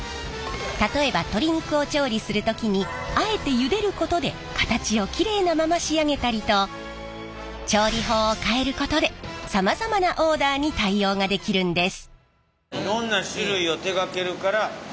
例えば鶏肉を調理する時にあえてゆでることで形をキレイなまま仕上げたりと調理法を変えることでさまざまなオーダーに対応ができるんです。